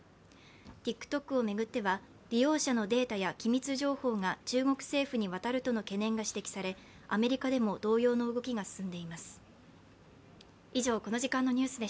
ＴｉｋＴｏｋを巡っては利用者のデータや機密情報が中国政府に渡るとの懸念が指摘されアメリカでも同様の動きが進んでいます。